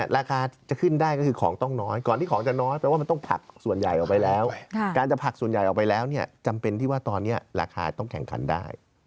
ราคาจะขึ้นได้ก็คือของต้องน้อยก่อนที่ของจะน้อยแปลว่ามันต้องผักส่วนใหญ่ออกไปแล้วการจะผักส่วนใหญ่ออกไปแล้วเนี่ยจำเป็นที่ว่าตอนนี้ราคาต้องแข่งขันได้